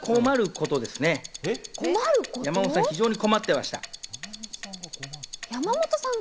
相方の山本さんが非常に困ってました。